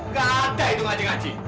gak ada itu ngaji ngaji